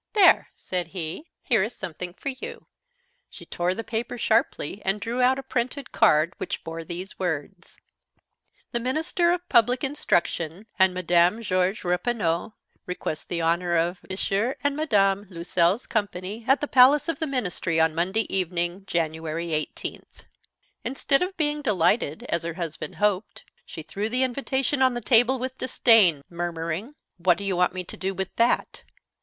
"There," said he, "here is something for you." She tore the paper sharply, and drew out a printed card which bore these words: "The Minister of Public Instruction and Mme. Georges Ramponneau request the honor of M. and Mme. Loisel's company at the palace of the Ministry on Monday evening, January 18th." Instead of being delighted, as her husband hoped, she threw the invitation on the table with disdain, murmuring: "What do you want me to do with that?"